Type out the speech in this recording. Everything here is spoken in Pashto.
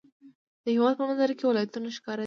د هېواد په منظره کې ولایتونه ښکاره دي.